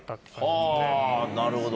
はぁなるほど。